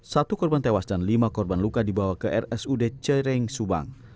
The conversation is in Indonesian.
satu korban tewas dan lima korban luka dibawa ke rsud cireng subang